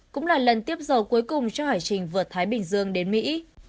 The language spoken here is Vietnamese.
cũng là lần tiếp dầu cuối cùng cho hải trình vượt thái bình dương đến mỹ